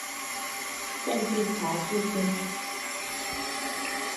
县治乔治敦。